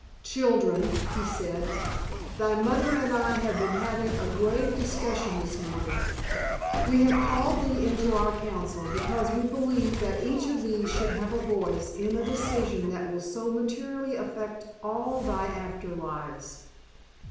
"Children," he said, "thy mother and I have been having a grave discussion this morning. We have called thee into our council because we believe that each of thee should have a voice in a decision that will so materially affect all thy after lives."